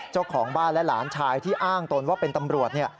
เจ้าของบ้านและหลานชายที่อ้างตนว่าเป็นตำรวจ